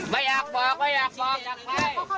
บอกอย่างนี้ค่ะ